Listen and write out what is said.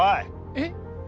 えっ？